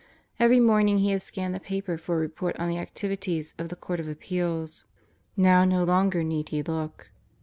Every morning he had scanned the paper for a report on the activities of the Court of Appeals. Now no longer need he look.